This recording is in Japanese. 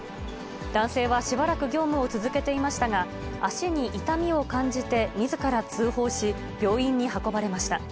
男性はしばらく業務を続けていましたが、足に痛みを感じてみずから通報し、病院に運ばれました。